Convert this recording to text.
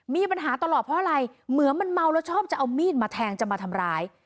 มีปัญหาตลอดเพราะอะไรเหมือนมันเมาแล้วชอบจะเอามีดมาแทงจะมาทำร้าย